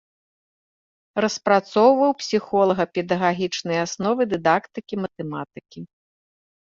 Распрацоўваў псіхолага-педагагічныя асновы дыдактыкі матэматыкі.